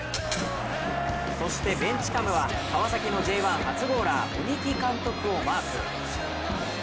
そしてベンチＣＡＭは川崎のＪ１初ゴーラー・鬼木監督をマーク。